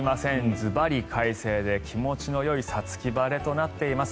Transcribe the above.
ずばり快晴で気持ちのよい五月晴れとなっています。